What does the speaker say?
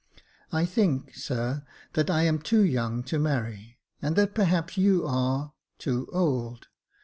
I think, sir, that I am too young to marry 5 and that perhaps you are — too old.